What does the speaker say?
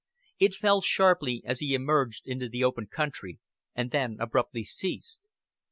It fell sharply as he emerged into the open country, and then abruptly ceased.